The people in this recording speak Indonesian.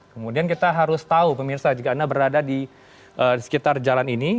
kemudian kita harus tahu pemirsa jika anda berada di sekitar jalan ini